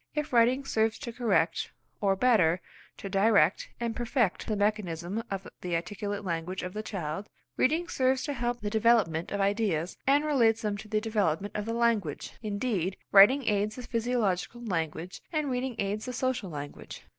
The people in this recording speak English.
If writing serves to correct, or better, to direct and perfect the mechanism of the articulate language of the child, reading serves to help the development of ideas, and relates them to the development of the language. Indeed writing aids the physiological language and reading aids the social language.